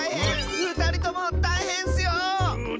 ふたりともたいへんッスよ！